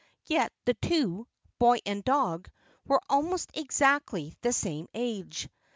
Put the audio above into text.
Yet the two boy and dog were almost exactly the same age.